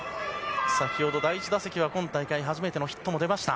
先ほど、第１打席は今大会初めてのヒットも出ました。